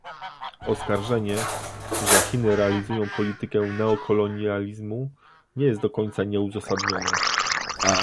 Oskarżenie, że Chiny realizują politykę neokolonializmu, nie jest do końca nieuzasadniona